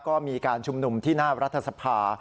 ก็มีการชุมนุมที่หน้ารัฐสภา